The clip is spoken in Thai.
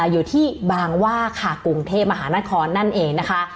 อยู่ที่บางว่าค่ะกรุงเทพมหานครนั่นเองนะคะ